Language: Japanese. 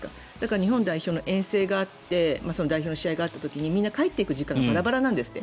日本代表の遠征があって試合が終わったあとみんな帰っていく時間がバラバラなんですって